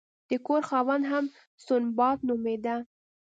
د کور خاوند هم سنباد نومیده.